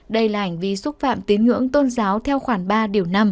đây là hành vi xúc phạm tiếng ngưỡng tôn giáo theo khoảng ba điều năm